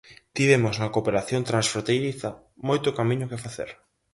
Tivemos na cooperación transfronteiriza moito camiño que facer.